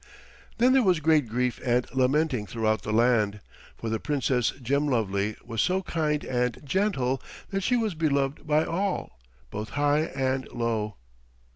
Then there was great grief and lamenting throughout the land, for the Princess Gemlovely was so kind and gentle that she was beloved by all, both high and low.